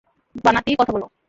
ভানাতি, কথা বলো।